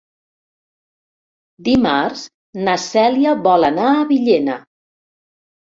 Dimarts na Cèlia vol anar a Villena.